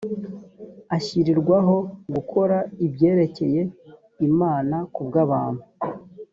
ashyirirwaho gukora ibyerekeye imana ku bw abantu